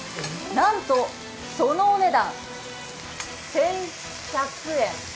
なんと、そのお値段、１１００円。